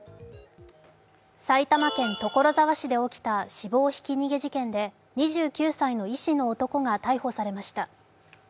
埼玉県所沢市で起きた死亡ひき逃げ事件で２９歳の医師の男が逮捕されました。